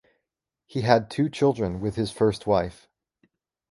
He had two children with his first wife.